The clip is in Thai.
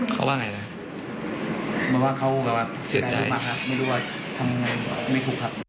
เขาว่าไงแล้วเสียใจ